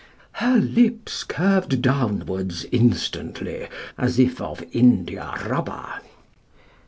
Her lips curved downwards instantly, As if of india rubber.